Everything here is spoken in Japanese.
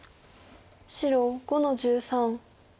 白５の十三。